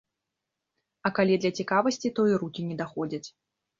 А калі для цікавасці, то і рукі не даходзяць.